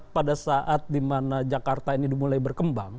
pada saat dimana jakarta ini mulai berkembang